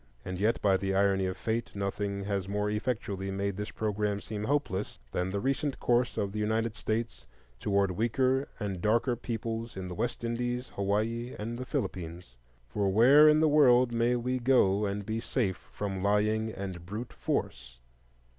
And yet, by the irony of fate, nothing has more effectually made this programme seem hopeless than the recent course of the United States toward weaker and darker peoples in the West Indies, Hawaii, and the Philippines,—for where in the world may we go and be safe from lying and brute force?